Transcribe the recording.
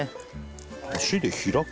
足で開く？